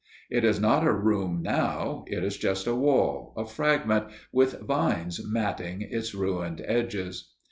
It is not a room now; it is just a wall, a fragment, with vines matting its ruined edges.